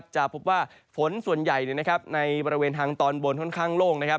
จะพบว่าฝนส่วนใหญ่ในบริเวณทางตอนบนค่อนข้างโล่งนะครับ